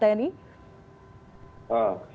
saya tidak bisa mengatakan